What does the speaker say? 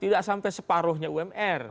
tidak sampai separuhnya umr